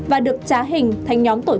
và được trả hình thành nhóm tự sưng